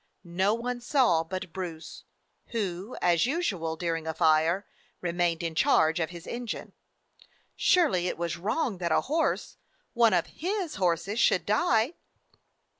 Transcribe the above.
No one saw but Bruce, who, as usual during a fire, remained in charge of his engine. Surely it was wrong that a horse, one of his horses, should die